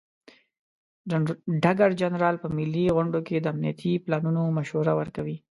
ډګر جنرال په ملي غونډو کې د امنیتي پلانونو مشوره ورکوي.